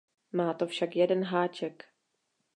Má to však jeden háček.